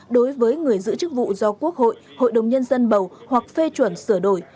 đối với người giữ chức vụ do quốc hội hội đồng nhân dân bầu hoặc phê chuẩn sửa đổi